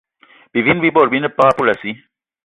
Bivini bi bot bi ne peg a poulassi